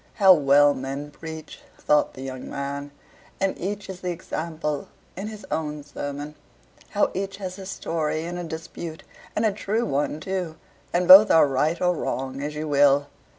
"How well men preach," thought the young man, "and each is the example in his own sermon. How each has a story in a dispute, and a true one, too, and both are right or wrong as you will!"